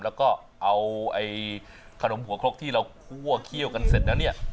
แล้วก็เอาขนมผัวครบที่เราคั่วเคี่ยวกันเสร็จน่ะเนี่ย